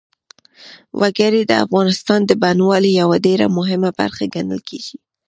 وګړي د افغانستان د بڼوالۍ یوه ډېره مهمه برخه ګڼل کېږي.